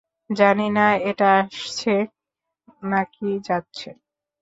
জানি না এটা আসছে না কি যাচ্ছে।